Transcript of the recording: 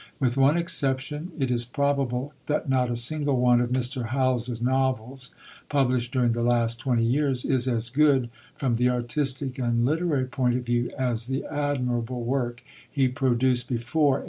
With one exception, it is probable that not a single one of Mr. Howells's novels published during the last twenty years is as good, from the artistic and literary point of view, as the admirable work he produced before 1889.